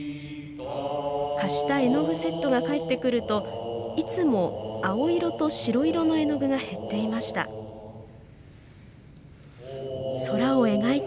貸した絵の具セットが返ってくるといつも青色と白色の絵の具が減っていました。